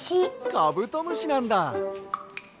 カブトムシなんだ。